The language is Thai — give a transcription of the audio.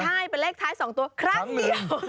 ใช่เป็นเลขท้าย๒ตัวครั้งเดียว